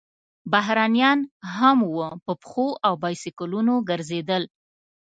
بهرنیان هم وو، په پښو او بایسکلونو ګرځېدل.